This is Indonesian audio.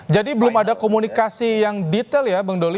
jadi belum ada komunikasi yang detail ya bang doli